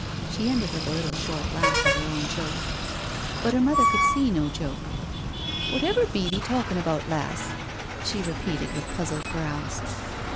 She ended with a little short laugh at her own joke. But her mother could see no joke. " Wotever be thee talkin' abeaut, lass?" she repeated with puzzled brows.